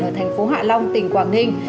ở thành phố hạ long tỉnh quảng ninh